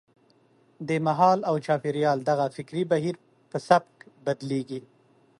د مهال او چاپېریال دغه فکري بهیر په سبک بدلېږي.